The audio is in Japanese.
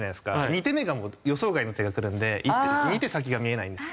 ２手目がもう予想外の手がくるので２手先が見えないんです。